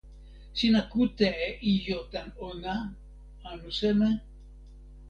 sina kute e ijo tan ona anu seme?